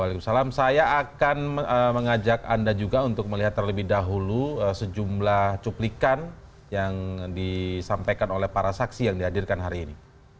waalaikumsalam saya akan mengajak anda juga untuk melihat terlebih dahulu sejumlah cuplikan yang disampaikan oleh para saksi yang dihadirkan hari ini